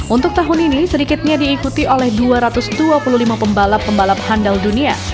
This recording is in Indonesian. untuk tahun ini sedikitnya diikuti oleh dua ratus dua puluh lima pembalap pembalap handal dunia